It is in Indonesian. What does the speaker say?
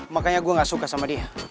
makanya gue gak suka sama dia